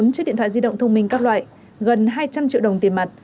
bốn chiếc điện thoại di động thông minh các loại gần hai trăm linh triệu đồng tiền mặt